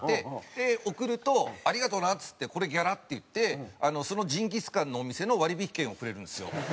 で送ると「ありがとうな」っつって「これギャラ」って言ってそのジンギスカンのお店の割引券をくれるんですよ。